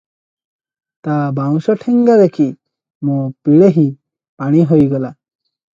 ତା ବାଉଁଶଠେଙ୍ଗା ଦେଖି ମୋ ପିଳେହି ପାଣି ହୋଇଗଲା ।